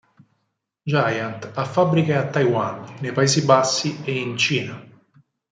Giant ha fabbriche a Taiwan, nei Paesi Bassi e in Cina.